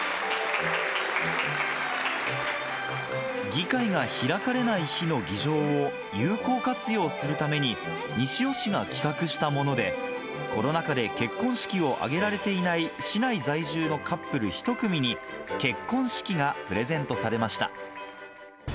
議会が開かれない日の議場を有効活用するために、西尾市が企画したもので、コロナ禍で結婚式を挙げられていない市内在住のカップル１組に結婚式がプレゼントされました。